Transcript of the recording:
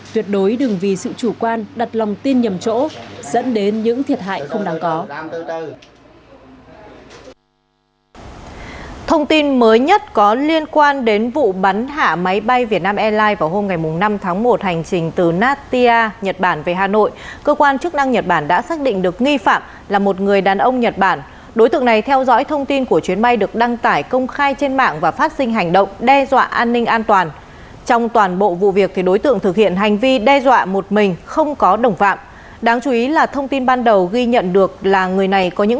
tuyệt đối đừng vì sự chủ quan đặt lòng tin nhầm chỗ dẫn đến những thiệt hại không đáng có